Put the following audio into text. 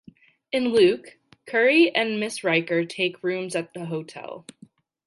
In Luc, Querry and Mrs. Rycker take rooms at the hotel.